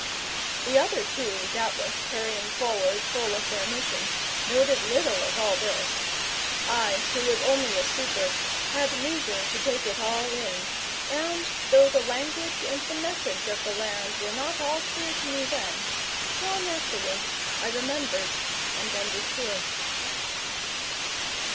The other two, doubtless, hurrying forward full of their mission, noted little of all this. I, who was only a super, had leisure to take it all in, and, though the language and the message of the land were not all clear to me then, long afterwards I remembered and understood.